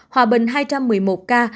hòa bình hai trăm một mươi một ca